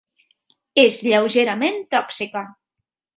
És lleugerament tòxica.